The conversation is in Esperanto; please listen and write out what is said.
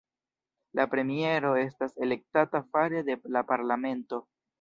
La premiero estas elektata fare de la parlamento.